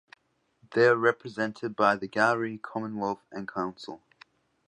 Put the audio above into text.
They are represented by the gallery Commonwealth and Council.